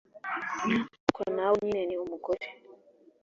ariko nawe nyine ni umugore